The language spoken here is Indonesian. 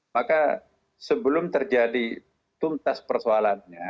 maka sebelum terjadi tuntas persoalannya